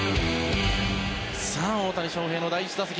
さあ大谷翔平の第１打席。